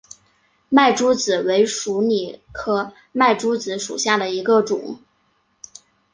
麦珠子为鼠李科麦珠子属下的一个种。